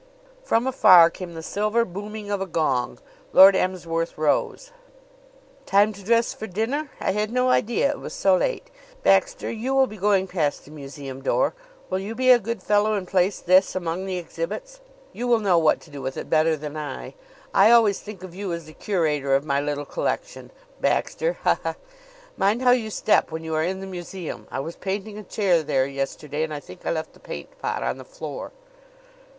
From afar came the silver booming of a gong. Lord Emsworth rose. "Time to dress for dinner? I had no idea it was so late. Baxter, you will be going past the museum door. Will you be a good fellow and place this among the exhibits? You will know what to do with it better than I. I always think of you as the curator of my little collection, Baxter ha ha! Mind how you step when you are in the museum. I was painting a chair there yesterday and I think I left the paint pot on the floor."